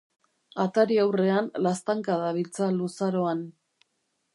Atari-aurrean, laztanka dabiltza luzaroan.